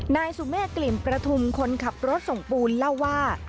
นายสุเมฆกลิ่นประทุมคนขับรถส่งปูนเล่าว่า